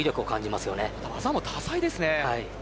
また技も多彩ですね。